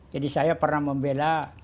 jadi saya pernah membela